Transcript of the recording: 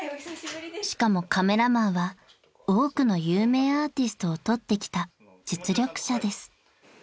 ［しかもカメラマンは多くの有名アーティストを撮ってきた実力者です］